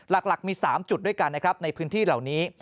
หลักมี๓จุดด้วยกันนะครับในพื้นที่เหล่านี้